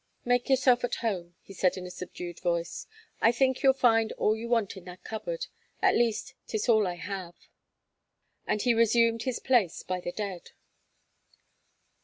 "Make yourself at home," he said in a subdued voice. "I think you'll find all you want in that cupboard, at least 'tis all I have." And he resumed his place by the dead.